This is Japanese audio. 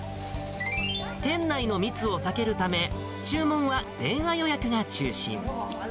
店内の密を避けるため、注文は電話予約が中心。